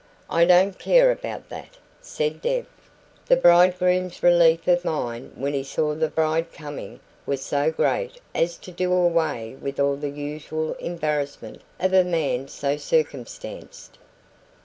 "I don't care about that," said Deb. The bridegroom's relief of mind when he saw the bride coming was so great as to do away with all the usual embarrassment of a man so circumstanced.